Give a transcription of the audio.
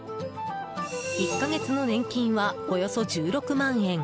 １か月の年金はおよそ１６万円。